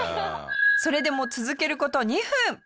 それでも続ける事２分。